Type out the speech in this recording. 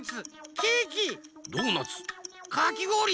かきごおり。